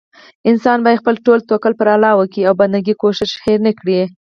انسان بايد خپل ټول توکل پر الله وکي او بندګي کوښښ هير نه کړي